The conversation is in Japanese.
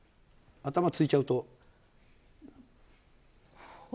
頭ついちゃうと。